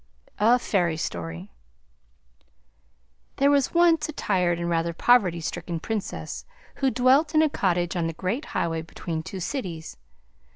A FAIRY STORY There was once a tired and rather poverty stricken Princess who dwelt in a cottage on the great highway between two cities.